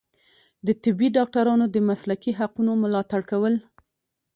د طبي ډاکټرانو د مسلکي حقونو ملاتړ کول